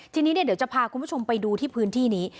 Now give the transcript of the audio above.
ทีนี้เดี๋ยวจะพาคุณผู้ชมไปดูที่พื้นที่นี้